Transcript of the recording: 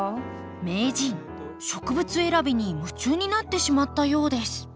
名人植物選びに夢中になってしまったようです。